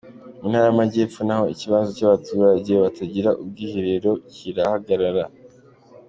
Mu Ntara y’Amajyepfo naho ikibazo cy’abaturage batagira ubwiherero kirahagaragara.